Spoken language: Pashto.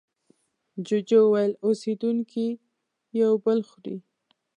جوجو وویل اوسېدونکي یو بل خوري.